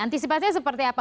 antisipasinya seperti apa